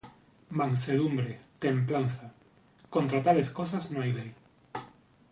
Mansedumbre, templanza: contra tales cosas no hay ley.